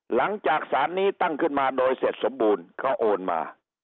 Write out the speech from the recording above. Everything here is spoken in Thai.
หลังจากสารนี้ตั้งขึ้นมาโดยเสร็จสมบูรณ์เขาโอนมา